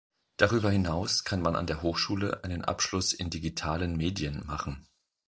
Darüber hinaus kann man an der Hochschule einen Abschluss in digitalen Medien machen.